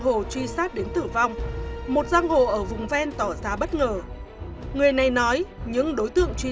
hồ truy sát đến tử vong một giang hồ ở vùng ven tỏ ra bất ngờ người này nói những đối tượng truy